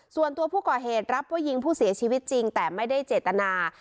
ส่วนตัวผู้ก่อเหตุรับว่ายิงผู้เสียชีวิตจริงแต่ไม่ได้เจตนา